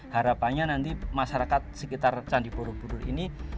harapannya nanti masyarakat sekitar candi borobudur ini